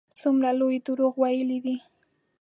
څومره لوی دروغ ویلي دي.